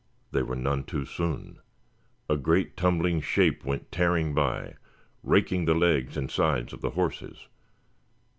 They were none too soon. A great tumbling shape went tearing by, raking the legs and sides of the horses.